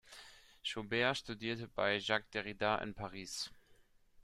Schobert studierte bei Jacques Derrida in Paris.